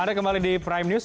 anda kembali di prime news